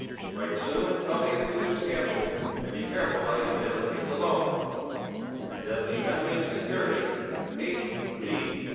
Write soon and tell me a few new scandals, and be careful how you manipulate the loan. Your deadly enemy and security, H.